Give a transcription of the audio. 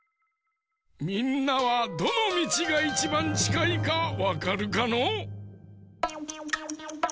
みんなはどのみちがいちばんちかいかわかるかのう？